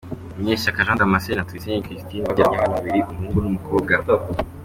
Munyeshyaka Jean Damascene na Tuyisenge Christine babyaranye abana babiri, umuhungu n’umukobwa.